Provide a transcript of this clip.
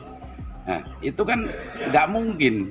nah itu kan nggak mungkin